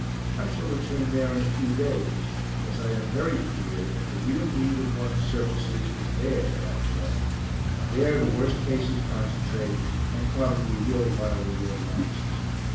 I shall return there in a few days, as I am very clear that the real need of one's services is there after all there the worst cases concentrate, and probably will, while the war lasts.